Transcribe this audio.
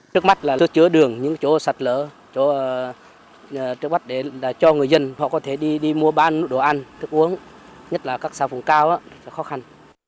trước mắt là chứa đường những chỗ sạt lở trước mắt là cho người dân họ có thể đi mua bán đồ ăn thức uống nhất là các xã phùng cao khó khăn